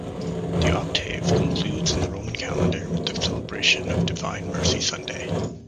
The octave concludes in the Roman calendar with the celebration of Divine Mercy Sunday.